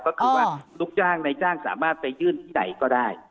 ก็คือว่าลูกจ้างในจ้างสามารถไปยื่นที่ไหนก็ได้